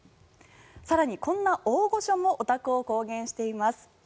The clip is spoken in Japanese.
更に、こんな大御所もオタクを公言しています。